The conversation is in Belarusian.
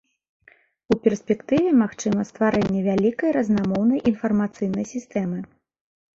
У перспектыве магчыма стварэнне вялікай разнамоўнай інфармацыйнай сістэмы.